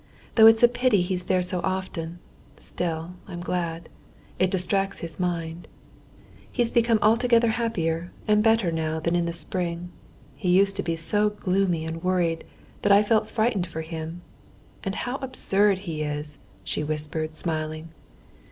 Though it's a pity he's there so often, still I'm glad. It distracts his mind. He's become altogether happier and better now than in the spring. He used to be so gloomy and worried that I felt frightened for him. And how absurd he is!" she whispered, smiling.